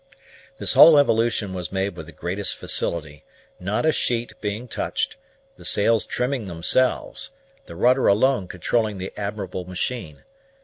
This whole evolution was made with the greatest facility, not a sheet being touched, the sails trimming themselves, the rudder alone controlling the admirable machine.